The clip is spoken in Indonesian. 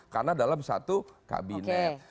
karena dalam satu kabinet